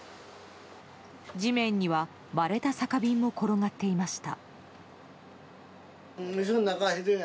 地面には、割れた酒瓶も転がっていました。